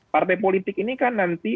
partai politik ini kan nanti